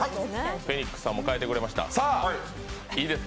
フェニックスさんも変えてくれました。